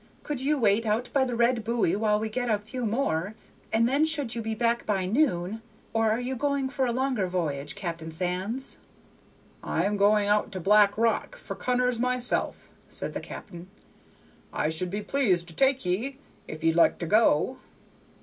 "Could you wait out by the red buoy while we get a few more, and then should you be back by noon, or are you going for a longer voyage, Captain Sands?" "I was going out to Black Rock for cunners myself," said the cap'n. "I should be pleased to take ye, if ye'd like to go."